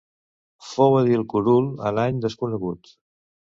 Fou edil curul en any desconegut.